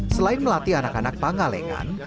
selain melatih anak anak pangalengan